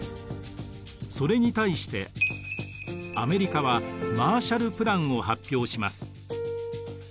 それに対してアメリカはマーシャルプランを発表します。